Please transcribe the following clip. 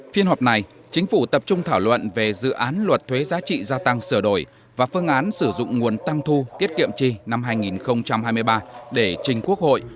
phiên họp này chính phủ tập trung thảo luận về dự án luật thuế giá trị gia tăng sửa đổi và phương án sử dụng nguồn tăng thu tiết kiệm chi năm hai nghìn hai mươi ba để trình quốc hội